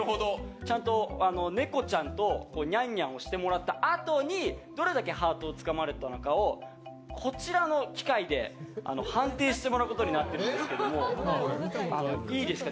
ちゃんとネコちゃんとニャンニャンをしてもらったあとどれだけハートをつかまれたのかをこちらの機械で判定してもらうことになっているんですけどもいいですか？